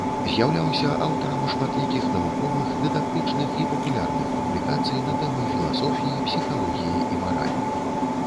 З'яўляўся аўтарам шматлікіх навуковых, дыдактычных і папулярных публікацый на тэмы філасофіі, псіхалогіі і маралі.